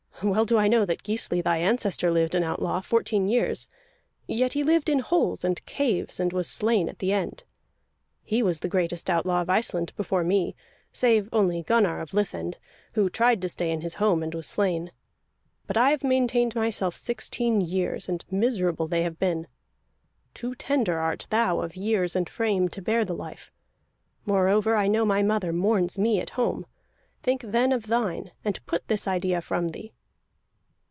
Well do I know that Gisli thy ancestor lived an outlaw, fourteen years; yet he lived in holes and caves, and was slain at the end. He was the greatest outlaw of Iceland before me, save only Gunnar of Lithend, who tried to stay in his home and was slain. But I have maintained myself sixteen years, and miserable have they been. Too tender art thou of years and frame to bear the life. Moreover, I know my mother mourns me at home. Think then of thine, and put this idea from thee!"